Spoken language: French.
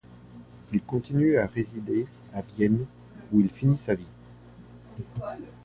Il continue à résider à Vienne où il finit sa vie.